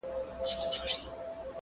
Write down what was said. کیسې د خان او د زامنو د آسونو کوي٫